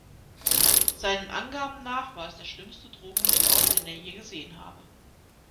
Seinen Angaben nach war es der schlimmste Drogenmissbrauch, den er je gesehen habe.